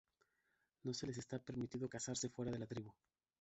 No se les está permitido casarse fuera de la tribu.